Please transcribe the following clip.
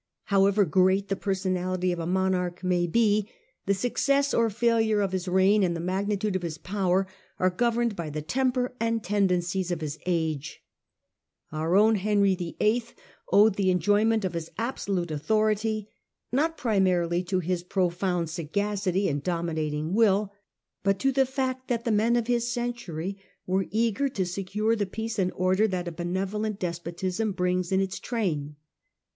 However great the personality of a monarch may be, the success or failure of his reign and the magnitude of his power are governed by the temper and tendencies of his age. Our own Henry VIII owed the enjoyment of his absolute authority not primarily to his profound sagacity and dominating will, but to the fact that the men of his century were eager to secure the peace and order that a benevolent despotism brings in its train.